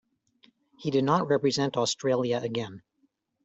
He did not represent Australia again.